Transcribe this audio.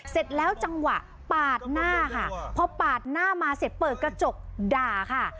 เสร็จแล้วจังหวะปาดหน้าค่ะพอปาดหน้ามาเสร็จเปิดกระจกด่าค่ะ